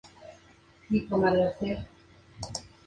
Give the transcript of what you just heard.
Así, la compañía producía y vendía miles de ruedas cada año.